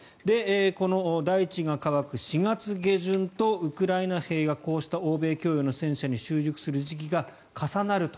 この大地が乾く４月下旬とウクライナ兵がこうした欧米供与の戦車に習熟する時期が重なると。